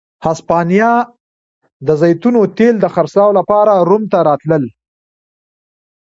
هسپانیا د زیتونو تېل د خرڅلاو لپاره روم ته راتلل.